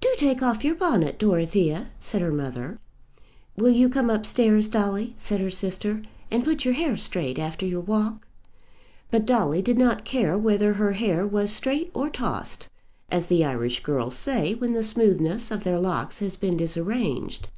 "Do take off your bonnet, Dorothea," said her mother. "Will you come up stairs, Dolly," said her sister, "and put your hair straight after your walk?" But Dolly did not care whether her hair was straight or tossed, as the Irish girls say when the smoothness of their locks has been disarranged.